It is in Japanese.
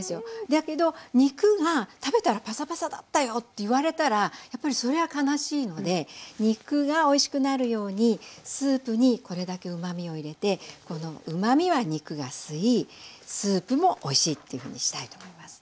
だけど肉が食べたらパサパサだったよって言われたらやっぱりそれは悲しいので肉がおいしくなるようにスープにこれだけうまみを入れてうまみは肉が吸いスープもおいしいっていうふうにしたいと思います。